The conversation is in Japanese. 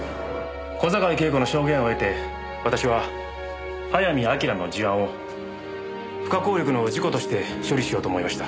小坂井恵子の証言を得て私は早見明の事案を不可抗力の事故として処理しようと思いました。